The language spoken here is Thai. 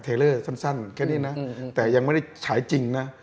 เลอร์สั้นแค่นี้นะแต่ยังไม่ได้ฉายจริงนะ